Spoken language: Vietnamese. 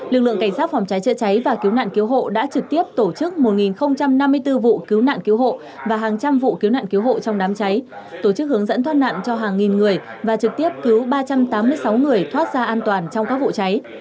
lực lượng cảnh sát phòng cháy chữa cháy và cứu nạn cứu hộ đã trực tiếp tổ chức một năm mươi bốn vụ cứu nạn cứu hộ và hàng trăm vụ cứu nạn cứu hộ trong đám cháy tổ chức hướng dẫn thoát nạn cho hàng nghìn người và trực tiếp cứu ba trăm tám mươi sáu người thoát ra an toàn trong các vụ cháy